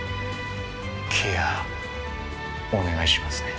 ケアお願いしますね。